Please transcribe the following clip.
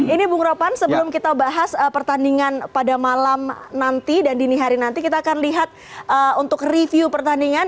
ini bung ropan sebelum kita bahas pertandingan pada malam nanti dan dini hari nanti kita akan lihat untuk review pertandingan